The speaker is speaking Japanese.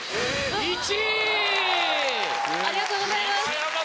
ありがとうございます！